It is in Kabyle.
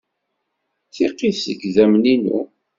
D tiqit seg yidammen-inu.